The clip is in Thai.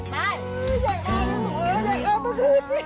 ใหญ่อ่อใหญ่เอ่อมาพูด